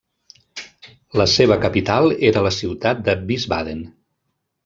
La seva capital era la ciutat de Wiesbaden.